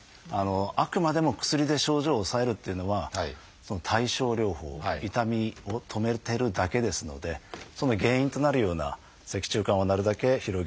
あくまでも薬で症状を抑えるっていうのは対症療法痛みを止めてるだけですのでその原因となるような脊柱管をなるだけ広げる。